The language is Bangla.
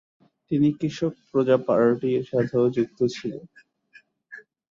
তিনি কৃষক প্রজা পার্টির সাথেও যুক্ত ছিলেন।